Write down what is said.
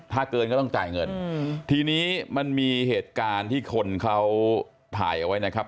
ถ้าเกินก็ต้องจ่ายเงินทีนี้มันมีเหตุการณ์ที่คนเขาถ่ายเอาไว้นะครับ